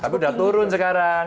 tapi udah turun sekarang